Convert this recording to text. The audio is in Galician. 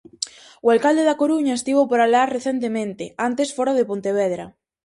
O alcalde da Coruña estivo por alá recentemente, antes fora o de Pontevedra.